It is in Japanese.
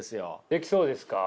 できそうですか？